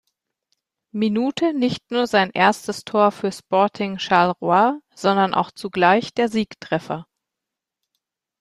Minute nicht nur sein erstes Tor für Sporting Charleroi, sondern auch zugleich der Siegtreffer.